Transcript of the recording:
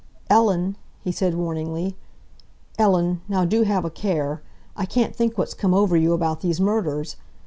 "Ellen?" he said warningly, "Ellen, now do have a care! I can't think what's come over you about these murders.